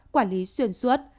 quản lý xuyên suốt